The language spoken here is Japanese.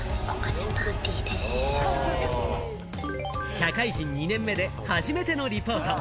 社会人２年目で初めてのリポート。